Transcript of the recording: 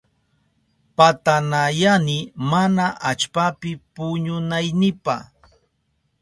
Patanayani mana allpapi puñunaynipa.